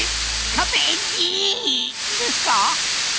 キャベージィ！ですか？